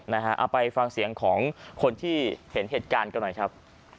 เอาไปฟังเสียงของคนที่เห็นเหตุการณ์กันหน่อยครับ